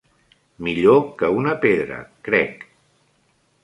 Millor que una pedra, crec.